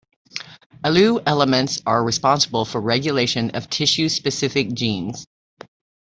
"Alu" elements are responsible for regulation of tissue-specific genes.